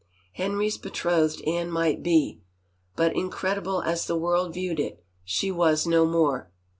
Henry's betrothed Anne might be, but incred ible as the world viewed it, she was no more.